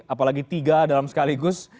apalagi tiga dalam sekaligus